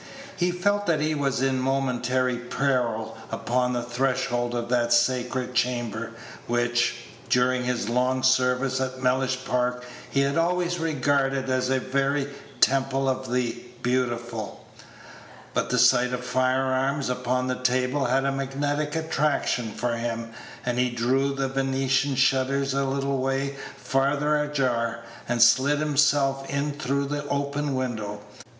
He felt that he was in momentary peril upon the threshold of that sacred chamber, which, during his long service at Mellish Park, he had always regarded as a very temple of the beautiful; but the sight of fire arms upon the table had a magnetic attraction for him, and he drew the Venetian shutters a little way farther ajar, and slid himself in through the open window.